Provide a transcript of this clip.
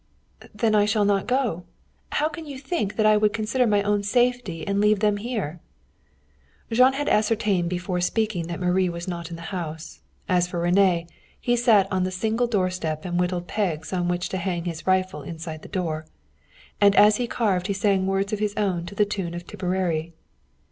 "Then I shall not go. How can you think that I would consider my own safety and leave them here?" Jean had ascertained before speaking that Marie was not in the house. As for René, he sat on the single doorstep and whittled pegs on which to hang his rifle inside the door. And as he carved he sang words of his own to the tune of Tipperary.